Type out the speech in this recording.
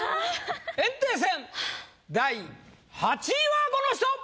炎帝戦第８位はこの人！